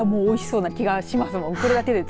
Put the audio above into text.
おいしそうな気がします。